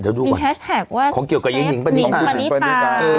ทัศน์วงศ์หาศวีแฮชแท็กเห้ยมีแฮชแท็กว่าเกี่ยวกับไหน